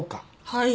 はい。